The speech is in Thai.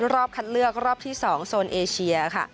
รอบคัดเลือกรอบที่๒โซนเอเชียค่ะ